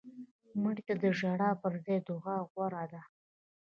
مړه ته د ژړا پر ځای دعا غوره ده